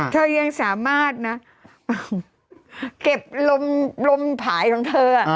ยังสามารถนะเก็บลมผายของเธอ